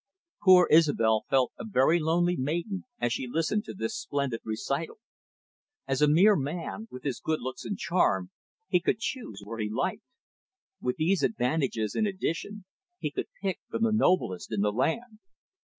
Poor Isobel felt a very lonely maiden as she listened to this splendid recital. As a mere man, with his good looks and charm, he could choose where he liked. With these advantages in addition, he could pick from the noblest in the land.